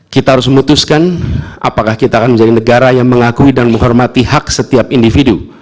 kita harus memutuskan apakah kita akan menjadi negara yang mengakui dan menghormati hak setiap individu